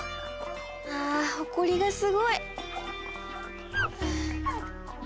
あほこりがすごい。